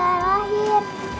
kapan adik segala lahir